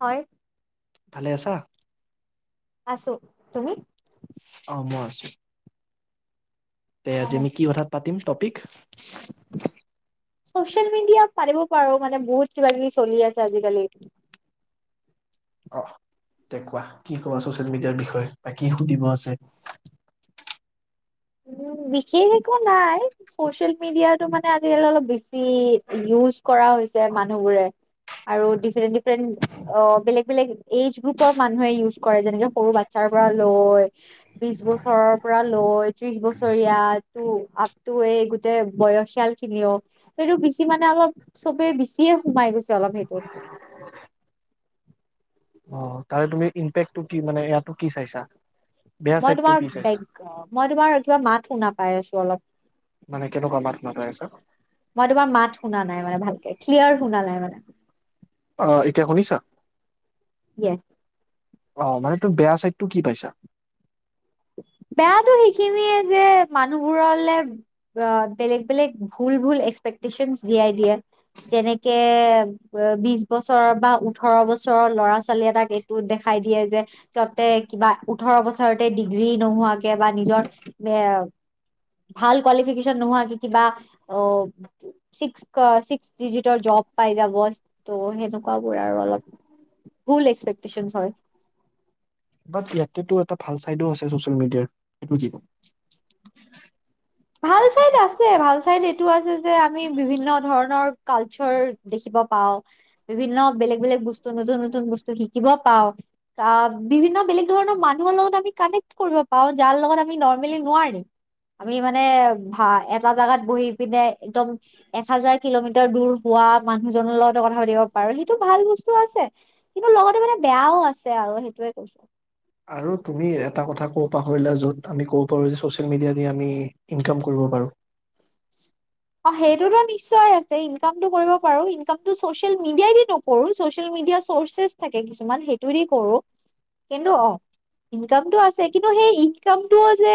হয় ভালে আছা আছো তুমি হম আছো তে আজি আমি কি কথা পাতিম টপিক চচিয়েল মিডিয়া পাৰিব পাৰো মানে বহুত কিবা কিবি চলি আছে আজিকালি অ তে কোৱা কি কব ছচিয়েল মিডিয়াৰ বিষয়ে বা কি সুধিব আছে উ বিশেষ একো নাই চচিয়েল মিডিয়াটো মানে আজিকালি অলপ বেছি ইউজ কৰা হৈছে মানুহবোৰে আৰু ডিফাৰেন্ট ডিফাৰেন্ট অ বেলেগ বেলেগ এজ গ্ৰুপৰ মানুহে ইউজ কৰে যেনেকে সৰু বাচ্ছাৰ পৰা লয় বিশ বছৰৰ পৰা লয় ত্ৰিশ বছৰীয়া আপটো এই গোটেই বয়সিয়াল খিনিও সেইটো বেছি মানে অলপ চবে বেছিয়ে সোমাই গৈছে অলপ সেইটোত অ তাৰে তুমি ইম্পেক্টটো কি মানে ইয়াতো কি চাইছা বেয়া মই চাইডটো তোমাৰ কি চাইছা? বেগ মই তোমাৰ কিবা মাত শুনা পাই আছো অলপ। মানে কেনেকুৱা মাত মতাই আছ। মই তোমাৰ মাত শুনা নাই মানে ভালকে ক্লিয়াৰ শুনা নাই মানে। [unintelligible] আহ এতিয়া শুনিছা [unintelligible] আহ মানে তোৰ বেয়া চাইড তটো কি পাইছা? বেয়াতো সেইখিনিয়ে যে মানুহবোৰলে বেলেগ বেলেগ ভুল ভুল এক্সপেক্টেশচন দিয়াই দিয়ে যেনেকে বিশ বছৰ বা ওঠৰ বছৰৰ ল'ৰা ছোৱালী এটাক এইটো দেখাই দিয়ে যে তহতে কিবা ওঠৰ বছৰতে ভ নোহোৱাকৈও বা নিজৰ বাট ইয়াতেতো এটা ভাল চাইডো আছে চচিয়েল মিডিয়াৰ সেইটো কি ভাল চাইড আছে ভাল চাইড এইটো আছে যে আমি বিভিন্ন ধৰণৰ কালচাৰ দেখিব পাওঁ বিভিন্ন বেলেগ বেলেগ বস্তু নতুন নতুন বস্তু শিকিব পাওঁ বিভিন্ন বেলেগ ধৰণৰ মানুহৰ লগত আমি কানেক্ট কৰিব পাওঁ যাৰ লগত আমি নৰ্মেলি নোৱাৰি। আমি মানে ভা এটা জাগাত বহি পিনে একদম এক হাজাৰ কিলোমিটাৰ দূৰ হোৱা মানুহজনৰ লগতে কথা পাতিব পাৰো সেইটো ভাল বস্তু আছে কিন্তু লগতে মানে বেয়াও আছে আৰু সেইটোয়ে কৈছো আৰু তুমি এটা কথা কব পাহৰিলা যে যত আমি কব পাৰো যে চচিয়েল মিডিয়া যে আমি ইনকাম কৰিব পাৰো অঁ সেইটো নিশ্চয় আছে ইনকামটো কৰিব পাৰো ইনকটো চচিয়েল মিডিয়াইদি নকৰো চচিয়েল মিডিয়া চৰ্ছেছ থাকে কিছুমান সেইটোদি কৰো কিন্তু অ ইনকামতটো আছে কিন্তু সেই ইনকামটোও যে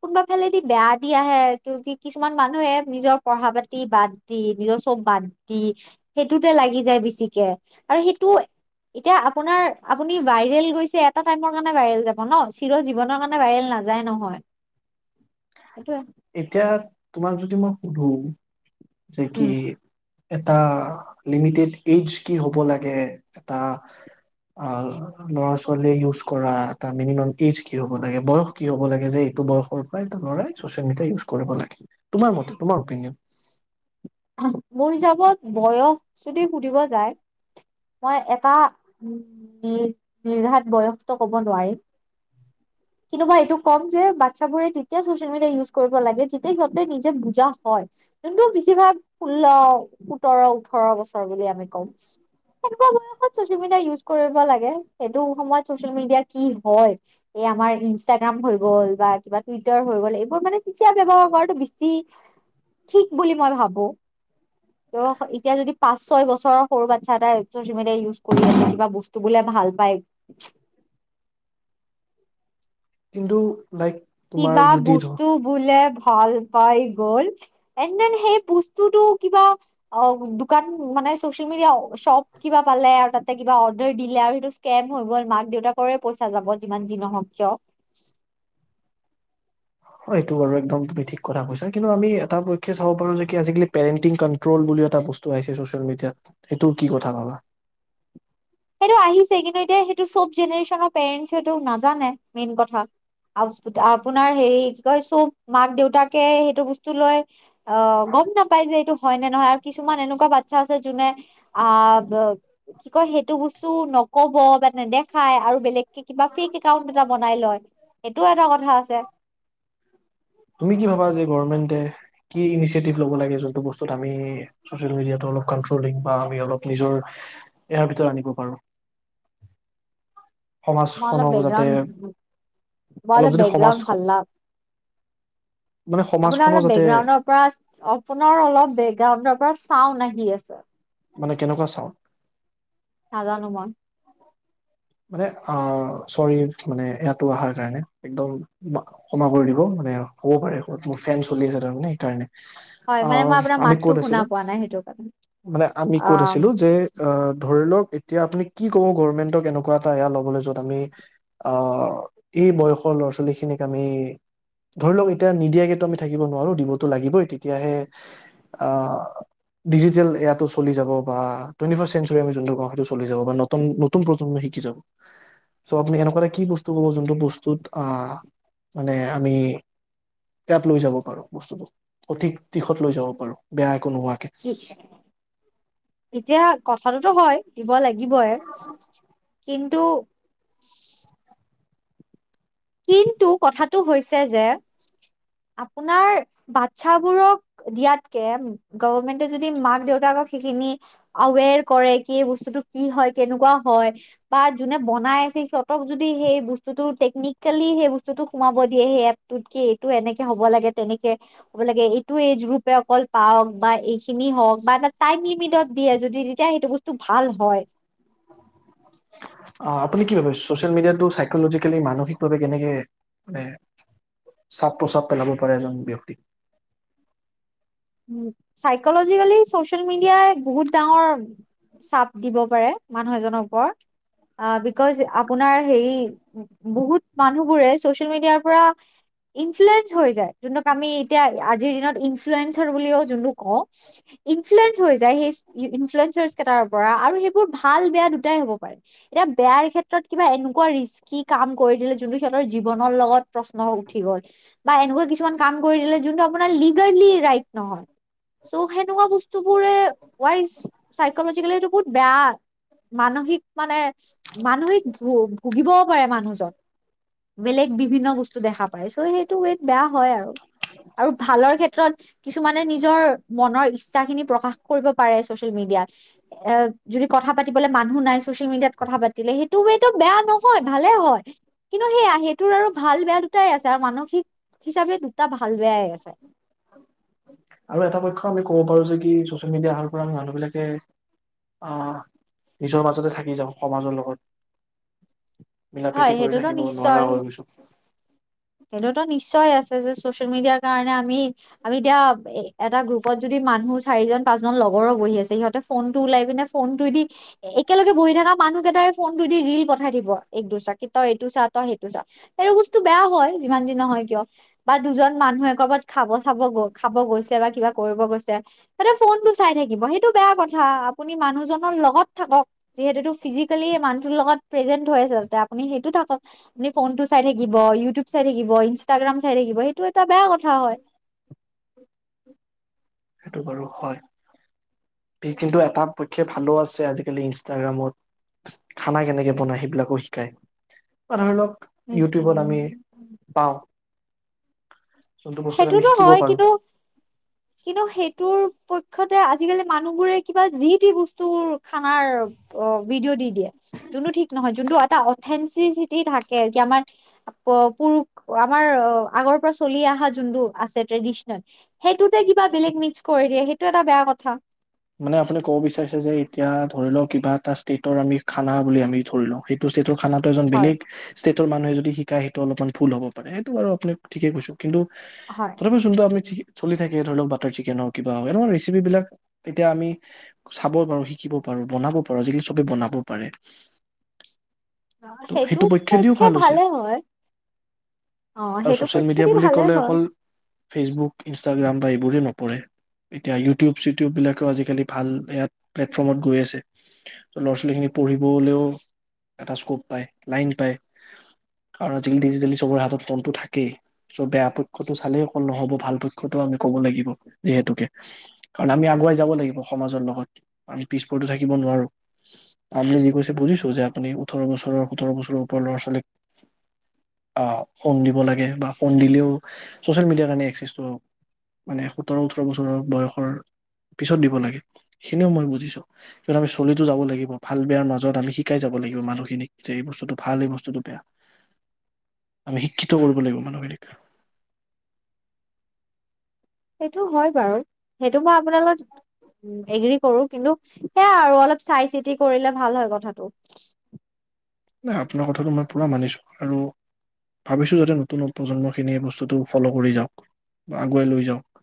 কোনোবা ফালেদি বেয়া দি আহে ক কি কিছুমান মানুহে নিজৰ পঢ়া পাতি বাদ দি নিজৰ চব বাদ দি সেইটোতে লাগি যায় বেছিকে আৰু সেইটো এতিয়া আপোনাৰ আপুনি ভাইৰেল গৈছে এটা টাইমৰ কাৰণে ভাইৰেল যাব ন চিৰ জীৱনৰ কাৰণে ভাইৰেল নাযায় নহয় সেইটো। এতিয়া তোমাক যদি মই সোধো। যে কি উম এটা লিমিটেড এজ কি হ'ব লাগে এটা অ ল'ৰা ছোৱালীয়ে ইউজ কৰা এটা মিনিমাম এজ কি হ'ব লাগে বয়স কি হ'ব লাগে যে এইটো বয়সৰ পৰা এইটো ল'ৰাই ম ইউজ কৰিব লাগে তোমাৰ মতে তোমাৰ অপিনিয়ন মোৰ হিচাপত বয়স যদি সুধিব যায় মই এটা উ নি নিৰ্ঘাত বয়সটো কব নোৱাৰিম কিন্তু মা এইটো কম যে বাচ্ছাবোৰে তেতিয়া চচিয়েল মিডিয়া ইউজ কৰিব লাগে যেতিয়া সিহঁতে নিজে বুজা হয় যোনটো বেছিভাগ ষোল্ল সোতৰ ওঠৰ বছৰ বুলি আমি কম সনেকুৱা বয়সত চচিয়েল মিডিয়া ইউজ কৰিব লাগে সেইটো সময়ত চচিয়েল মিডিয়া কি হয় এই আমাৰ ইনষ্টাগ্ৰাম হৈ গল বা কিবা টুইটাৰ হৈ গল এইবোৰ মানে তেতিয়া ব্ৱহাৰ কৰাটো বেছি ঠিক বুলি মই ভাবো। ত এতিয়া যদি পাঁচ ছয় বছৰৰ সৰু বাচ্ছা এটা চচিয়েল মিডিয়াই ইউজ কৰি আছে কিবা বস্তু বোলে ভাল পায়। কিন্ত কিবা বস্তু বোলে ভাল পাই গল এন দেন সেই বস্তুতটো কিবা অ দোকান মানে চচিয়েল মিডিয়া শ্বপ কিবা পালে আৰু তাতে কিবা অৰ্ডাৰ দিলে আৰু সেইটো স্কেম হৈ গল মাক দেউতাকৰে পইচা যাব যিমান যি নহওক কিয় হয় সেইটো বাৰু একদম তুমি ঠিক কথা কৈছা কিন্তু আমি এটা পক্ষে চাব পাৰো যে আজালি পেৰেণ্টিং ক্ৰল বুলি এটা বস্তচিয়েল মিডিয়াত সেইটো কি কথা ভাবা সেইটো আহিছে কিন্তু এতিয়া সেইটো চব জেনেৰেশ্যনৰ পেৰেণ্টটো নাজানে মেইন কথা আ আপোনাৰ হেৰি কৈ চো মাক দেউতাকে সেইটো বস্তু লৈ অঁ গম নাপাই যে এইটো হয় নে নহয় আৰু কিছুমান এনেকুৱা ব আচ্ছাছে জুনে অঁ কি কয় সেইটো এইটো বস্তু নক'ব বা নেদেখায় আৰু বেলেগ কিবা ফেক একাউন্ট এটা বনাই লয় সেইটো এটা কথা আছে। তুমি কি ভাবা যি গৰ্ৰবেনদে কি ইচিটিক লব লাগে আ নিজৰ আনিব পাৰো সমাজখনক যাতে অলপ বেকগ্ৰাউণ্ড যদি সমাজ বেকগ্ৰাউণ্ড হালা। মানে আপোনাৰ সমাজখনো অলপ যাতে বেকগ্ৰাউণ্ড ৰ পৰা আপোনাৰ অলপ বেকগ্ৰাউণ্ডৰ পৰা। চাওঁ নি আছে। মানে কেনেকুৱা চাও। নাজানো মই। মানে অহ চৰি মানে ইয়াতো আহাৰ কাৰণে একদম ক্ষমা কৰি দিব মানে হব পাৰে মোৰ ফেন চলি আছে তাৰমানে সেইকাৰণে। হয় মানে অহ, মই আপোনাৰ আমি মাতটো কত শুনা আছিলো পোৱা নাই সেইটো কাৰণে মানে আমি কত আম আছিলো যে আহ ধৰি লওক এতিয়া আপুনি কি কব গভৰ্মেন্টক এনেকুৱা এটা এয়া ল'বলৈ য'ত আমি আহ এই বয়সৰ ল'ৰা ছোৱালীখিনিক আমি ধৰি লওক এতিয়া নিদিয়াকেতো আমি থাকিব নোৱাৰো দিবতো লাগিবই তেতিয়াহে আহ ডিজিটেল এয়াটো চলি যাব বা টুৱেন্টি ফৰ চেঞ্চুুৰী আমি যোনটো কও সেইটো চলি যাব বা নতুন প্ৰজন্মই শিকি যাব চ' আপুনি এনেকুৱা এটা কি বস্তু কব যোনটো বস্তুত আহ মানে আমি ইয়াত লৈ যাব পাৰো বস্তুটো সঠিক দিশত লৈ যাব পাৰো বেয়া একো নোহোৱাকে [unintelligible] এতিয়া কথাটো হয় দিব লাগে। দিবয়ে। কিন্তু। কিন্তু কথাটো হৈছে যে আপোনাৰ বাচ্ছাবোৰক দিয়াতকে গভৰ্মেন্টে যদি মাক দেউতাকক সেইখিনি আৱেৰ কৰে কি এই বস্তুটো কি হয় কেনেকুৱা হয় বা যোনে বনাই আছে সিহঁতক যদি সেই বস্তুটো টেকনিকেলি সেই বস্তুটো সোমাব দিয়ে সেয়াটোত কি এনেকে হ'ব লাগে তেনেকে হ'ব লাগে এইটো এইজ গ্ৰুপে অকল পাওক বা এইখিনি হওক বা এটা টাইম লিমিটত দিয়ে যদি তেতিয়া সেইটো বস্তু ভাল হয়। আহ আপুনি কি ভাবে ছচিয়েল মিডিয়াতটো চাইকলজিকেলি মানসিকভাৱে কেনেকে মানে চাপ প্ৰচাপ পেলাব পাৰে এজন ব্যক্তিক? চাইকলজিকেলি চচিয়েল মিডিয়াই বহুত ডাঙৰ চাপ দিব পাৰে মানুহ এজনৰ ওপৰত বিকজ আপোনাৰ হেৰি বহুত মানুহবোৰে চচিয়েল মিডিয়াৰ পৰা ইনফ্লোয়েঞ্চ হৈ যায় যোনটোক আমি এতিয়া আজিৰ দিনত ইনফ্লোয়েঞ্চ বুলিও যোনটোক কওঁ ইনফ্লোয়েঞ্চ হৈ যায় সেই ইনফ্লোয়েঞ্চাৰচ টাৰ পৰা আৰু সেইবোৰ ভাল বেয়া দুটাই হব পাৰে এতিয়া বেয়াৰ ক্ষেত্ৰত কিবা এনেকুৱা ৰিস্কি কাম কৰি দিলে যোনটো সিহঁতৰ জীৱনৰ লগত প্ৰশ্ন উঠি গল বা এনেকুৱা কিছুমান কাম কৰি দিলে যোনটো আপোনাৰ লিগেলি ৰাইট নহয় চ' সেনেকুৱা বস্তুবোৰে ৱাইজ চাইকলজিকেলি এইটো বহুত বেয়া মানসিক মানে মানসিক ভু-ভুগিবও পাৰে মানুহজন বেলেগ বিভিন্ন বস্তু দেখা পায় চ' সেইটো ৱেত বেয়া হয় আৰু আৰু ভালৰ ক্ষেত্ৰত কিছুমানে নিজৰ মনৰ ইচ্ছা খিনি প্ৰকাশ কৰিব পাৰে ছচিয়েল মিডিয়াত এ যদি কথা পাতিবলে মানুহ নাই চচিয়েল মিডিয়াত কথা পাতিলে সেইটো ৱেটো বেয়া নহয় ভালে হয় কিন্তু সেয়া সেইটোৰ আৰু ভাল বেয়া দুটাই আছে আৰু মানসিক হিচাপে দুটা ভাল বেয়াই আছে। আৰু এটা পক্ষ আমি কব পাৰো যে কি ছচিয়েল মিডিয়া আহাৰ পৰা আমি মানুহবিলাকে আহ নিজৰ মাজতে থাকি যাওঁ সমাজৰ লগত। মিলা হয় প্ৰীতি কৰি সেইটোতো থাকিব নিশ্চয় নোৱাৰা হৈ গৈছো। সেইটোতো নিশ্চয় আছে যে ছচিয়েল মিডিয়াৰ কাৰণে আমি আমি এতিয়া এ এটা গ্ৰুপত যদি মানুহ চাৰিজন পাঁচজন লগৰো বহি আছে সিহঁতে ফোন টো উওলাই পিনে ফোন টোই দি একেলগে বহি থকা মানুহ কেইটাই ফোনতটো দি ৰিল পঠাই দিব এক দুচৰাক কি তই এইটো চা তই সেইটো চা এইটো বস্তু বেয়া হয়। যিমান যি নহয় কিয় বা দুজন মানুহে কৰবাত খাব চ খাব গৈছে বা কিবা কৰিব গৈছে তাতে ফোনটো চাই থাকিব সেইটো বেয়া কথা আপুনি মানুহজনৰ লগত থাকক যিহেতুটো ফিজিকেলি মানুহৰ লগত প্ৰেজেন্ত হৈ আছে তাতে আপুনি সেইটো থাকক আপুনি ফোনটো চাই থাকিব ইউটিউব চাই থাকিব ইনষ্টাগ্ৰাম চাই থাকিব সেইটো এটা বেয়া কথা হয়। সেইটো বাৰু হয় কিন্তু এটা পক্ষে ভালো আছে আজিকালি ইনষ্টাগ্ৰামত খানা কেনেকে বনাই সেইবিলাকো শিকায় বা ধৰি লওক ইউটিউবত আমি পাও। সেইটোতো শিকিব হয় পাৰো কিন্তু -কিন্তু সেই টোৰ পক্ষতে আজিকালি মানুহবোৰে কিবা যি তি বস্তুৰ খানাৰ ভিডিঅ' দি দিয়ে যোনটো ঠিক নহয় যোনটো এটা অথেনচিচিটি থাকে যে আমাৰ পুৰুষ আমাৰ আগৰ পৰা চলি আহা জো জোনটো আছে ট্ৰদিচনেল সেইটোতে কিবা বেলেগ মিক্স কৰি দিয় সেইটো এটা বেয়া কথা। মানে আপুনি কব বিচাৰিছে যে এতিয়া ধৰি লওক কিবা এটা ষ্টেটৰ আমি খানা বুলি আমি ধৰি লও সেইটো ষ্টেটৰ খানাটো এজন হয় বেলেগ ষ্টেট ত' মানুহে যদি শিকাই সেইটো অলপমান ভুল হব পাৰে সেইটো বাৰু আপনি ঠিকে কৈছো। কিন্তু হয়। তথাপি জোনটো আমি ঠিকে চলি থাকে ধৰি লওক বাটাৰ চিকেন হওক কিবা হওক এনেকোৱা ৰেচিপি বিলাক এতিয়া আমি চাব পাৰো শিকিব পাৰো বনাব পাৰো আজিকালি চবে বনাব পাৰে। অহ, ত' সেইটো পক্ষেদিও পক্ষে ভাল হৈছে ভালে হয় -অহ আৰু সেইটো ছচিয়েল মিডিয়া পক্ষেদি বুলি ভালে ক'লে হয়। অকল ফেচবুক ইনষ্টাগ্ৰাম বা এইবোৰহে নপৰে এতিয়া ইউটিউব চিউটি চিউটিউববিলাকো আজিকালি ভাল ইয়াত প্লেটফৰ্মত গৈ আছে ল'ৰা ছোৱালীখিনি পঢ়িবলৈও এটা স্কুপ পায় লাইন পায় আৰু আজিকালি ডিজিটেলি চবৰে হাতত ফোনটো থাকেই চ' বেয়া পক্ষতো চালে অকল নহ'ব ভাল পক্ষতো আমি ক'ব লাগিব যিহেতুকে কাৰণ আমি আগুৱাই যাব লাগিব সমাজৰ লগত আমি পিছপৰিটো থাকিব নোৱাৰোঁ আপুনি যি কৈছে বুজিছো যে আপুনি ওঠৰ বছৰৰ সোতৰ বছৰৰ ওপৰৰ ল'ৰা ছোৱালীক আহ ফোন দিব লাগে বা ফোন দিলেও ছচিয়েল মিডিয়াৰ কাৰণে একচেছটো মানে সোতৰ ওঠৰ বছৰৰ বয়সৰ পিছত দিব লাগে সেইখিনিও মই বুজিছো কিন্তু আমি চলিতো যাব লাগিব ভাল বেয়াৰ মাজত আমি শিকাই যাব লাগিব মানুহখিনিক যে এই বস্তুটো ভাল এই বস্তুটো বেয়া আমি শিক্ষিত কৰিব লাগিব মানুহখিনিক সেইটো হয় বাৰু সেইটো মই আপোনাৰ লগত এগ্ৰী কৰোঁ। কিন্তু সেয়া আৰু অলপ চাই চিতি কৰিলে ভাল হয় কথাটো নাই আপোনাৰ কথাটো মই পোৰা মানিছো আৰু ভাবিছোঁ যাতে নতুন প্ৰজন্ম খিনিয়ে বস্তুটো ফ'ল' কৰি যাওঁক বা আগুৱাই লৈ যাওঁক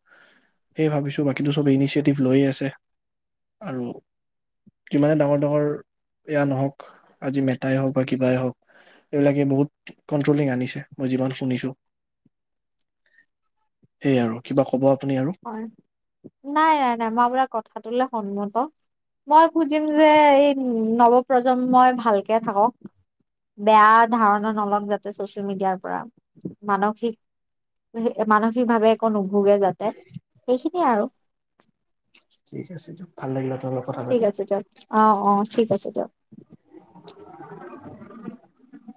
সেই ভাবিছোঁ বাকীটো চব ইনিচিয়েটিভ লৈয়ে আছে। আৰু যিমানে ডাঙৰ ডাঙৰ এয়া নহওঁক আজি হওঁক বা কিবাই হওঁক এইবিলাকে বহুত কন্ট্ৰলিং আনিছে মই যিমান শুনিছোঁ। সেই আৰু কিবা ক'ব আপুনি আৰু হয় নাই নাই নাই মই আপোনাৰ কথাটোলে সন্মত ত মই বুজিম যে এই উ নৱ প্ৰজন্মই ভালকে থাকক বেয়া ধাৰণা নলওক যাতে চচিয়েল মিডিয়াৰ পৰা মানসিক মানসিকভাৱে একো নোভোগে যাতে সেইখিনিয়ে আৰু ঠিক আছে দিয়ক ভাল লাগিলে ঠিক আছে দিয়ক অ অ ঠিক আছে দিয়ক উ [unintelligible]